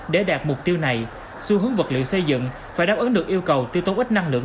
để đạt mục tiêu này xu hướng vật liệu xây dựng phải đáp ứng được yêu cầu tiêu tố ít năng lượng